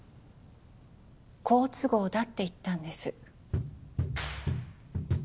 好都合だって言ったんです